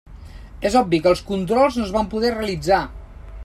És obvi que els controls no es van poder realitzar.